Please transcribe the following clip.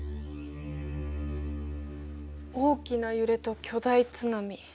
大きな揺れと巨大津波。